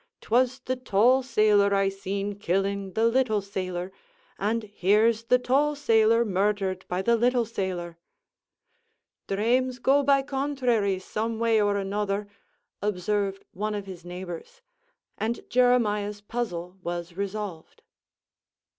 'twas the tall sailor I seen killing the little sailor, and here's the tall sailor murthered by the little sailor." "Dhrames go by conthraries, some way or another," observed one of his neighbors; and Jeremiah's puzzle was resolved.